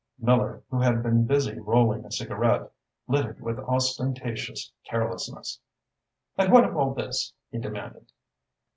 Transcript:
Miller, who had been busy rolling a cigarette, lit it with ostentatious carelessness. "And what of all this?" he demanded.